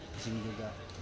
di sini juga